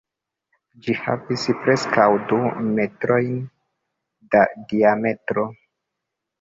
Ĝi havis preskaŭ du metrojn da diametro.